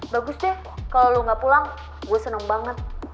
bagus deh kalau lo gak pulang gue senang banget